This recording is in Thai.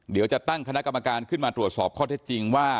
เดี๋ยวจะตั้งคณะกรรมการขึ้นมาตรวจสอบข้อเท็จจริงว่า